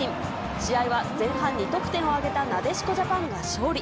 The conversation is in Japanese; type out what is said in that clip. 試合は前半２得点を挙げたなでしこジャパンが勝利。